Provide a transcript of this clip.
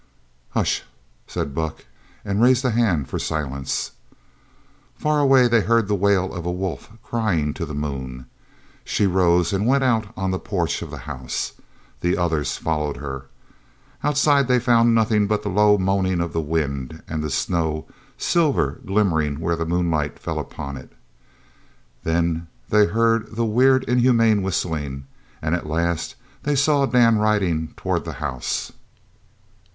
"Hush!" said Buck, and raised a hand for silence. Far away they heard the wail of a wolf crying to the moon. She rose and went out on the porch of the house. The others followed her. Outside they found nothing but the low moaning of the wind, and the snow, silver glimmering where the moonlight fell upon it. Then they heard the weird, inhuman whistling, and at last they saw Dan riding towards the house.